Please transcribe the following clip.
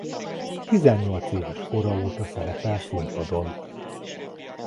Tizennyolc éves kora óta szerepel színpadon.